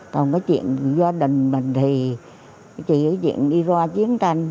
còn cái chuyện gia đình mình thì chỉ có chuyện đi qua chiến tranh